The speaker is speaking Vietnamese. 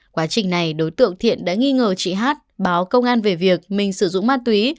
quá trình này đối tượng thiện đã nghi ngờ chị hát báo công an về việc mình sử dụng ma túy